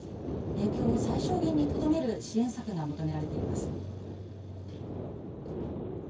影響を最小限にとどめる支援策が求められています。